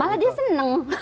malah dia seneng